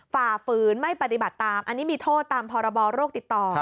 ฝ่าฝืนไม่ปฏิบัติตามอันนี้มีโทษตามพรบโรคติดต่อ